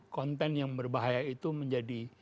konten yang berbahaya itu menjadi